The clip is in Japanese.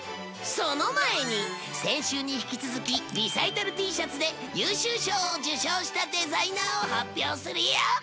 その前に先週に引き続きリサイタルＴシャツで優秀賞を受賞したデザイナーを発表するよ！